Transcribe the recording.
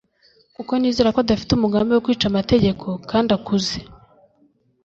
kuko nizera ko adafite umugambi wo kwica amategeko kandi akuze